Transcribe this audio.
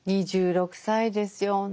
２６歳ですよ。